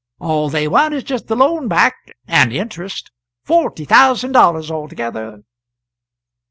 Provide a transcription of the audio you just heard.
All they want is just the loan back and interest forty thousand dollars altogether."